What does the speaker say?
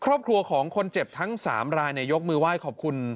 ครอบครัวของคนเจ็บทั้ง๓รายยกมือไหว้ขอบคุณ